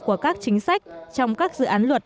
của các chính sách trong các dự án luật